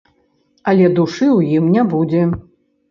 Але душы ў ім не будзе.